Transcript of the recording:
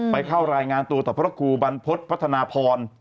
เข้ารายงานตัวต่อพระครูบรรพฤษพัฒนาพร